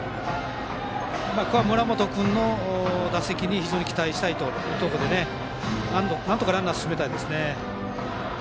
ここは村本君の打席に期待したいということでなんとかランナーを進めたいです。